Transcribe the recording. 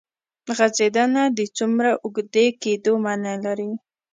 غځېدنه د څومره اوږدې کېدو معنی لري.